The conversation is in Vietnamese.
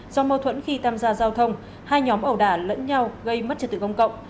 do mâu thuẫn khi tham gia giao thông hai nhóm ẩu đả lẫn nhau gây mất trật tự công cộng